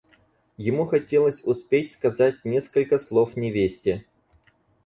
Ему хотелось успеть сказать несколько слов невесте.